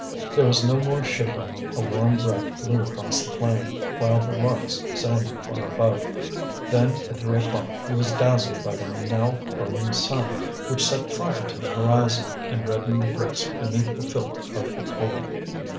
There was no more shivering, a warm breath blew across the plain, while the larks sang far above. Then at three o'clock he was dazzled by the now burning sun which set fire to the horizon, and reddened the bricks beneath the filth of the coal.